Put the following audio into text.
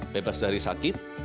bebas dari sakit